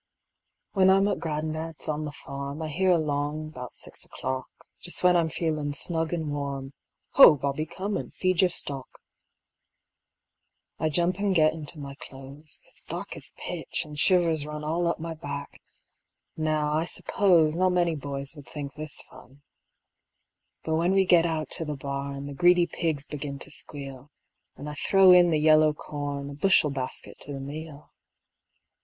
When I'm at gran'dad's on the farm, I hear along 'bout six o'clock, Just when I'm feelin' snug an' warm, "Ho, Bobby, come and feed your stock." I jump an' get into my clothes; It's dark as pitch, an' shivers run All up my back. Now, I suppose Not many boys would think this fun. But when we get out to the barn The greedy pigs begin to squeal, An' I throw in the yellow corn, A bushel basket to the meal.